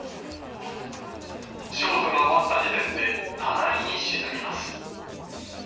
ショートが終わった時点で、７位に沈みます。